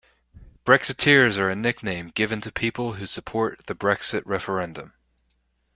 Brexiteers are a nickname given to people who support the Brexit referendum.